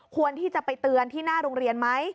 ควรที่จะไปเตือนที่หน้าโรงเรียนไหม